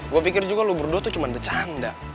gue pikir juga lu berdua tuh cuma bercanda